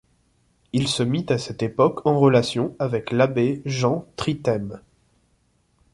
Il se mit à cette époque en relation avec l'abbé Jean Trithème.